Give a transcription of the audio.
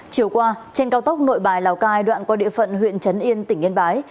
chiều qua trên cao tốc nội bài lào cai đoạn qua địa phận huyện trấn yên tỉnh yên bái